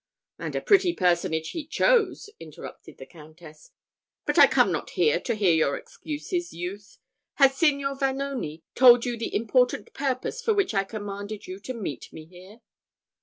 "And a pretty personage he chose," interrupted the Countess. "But I come not here to hear your excuses, youth. Has Signor Vanoni told you the important purpose for which I commanded you to meet me here?"